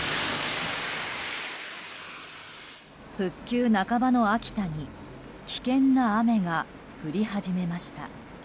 復旧半ばの秋田に危険な雨が降り始めました。